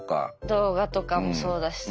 動画とかもそうだしさ